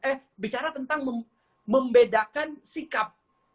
eh bicara tentang membedakan sikap